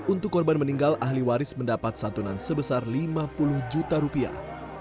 untuk korban meninggal ahli waris mendapat santunan sebesar lima puluh juta rupiah